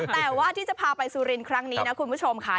แต่ว่าที่จะพาไปสุรินทร์ครั้งนี้นะคุณผู้ชมค่ะ